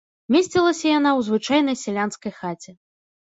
Месцілася яна ў звычайнай сялянскай хаце.